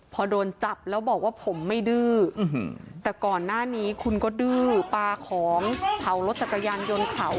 พอโดนจับแล้วบอกว่าผมไม่ดื้อแต่ก่อนหน้านี้คุณก็ดื้อปลาของเผารถจักรยานยนต์เขา